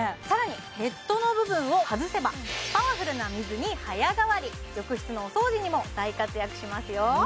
更にヘッドの部分を外せばパワフルな水に早変わり浴室のお掃除にも大活躍しますよ